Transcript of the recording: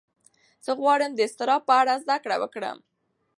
زه غواړم د اضطراب په اړه زده کړه وکړم.